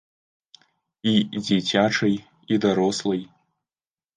І дзіцячай, і дарослай.